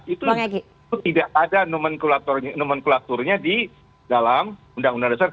itu tidak ada nomenklaturnya di dalam undang undang dasar seribu sembilan ratus empat puluh lima